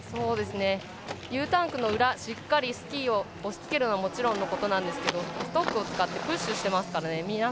Ｕタンクの裏しっかりスキーを押しつけるのはもちろんのことですがストックを使ってプッシュしてますからね。